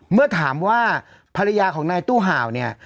เมื่อถามว่าภรรยาของนายตู้ห่าวเนี่ย